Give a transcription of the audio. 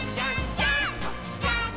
ジャンプ！！」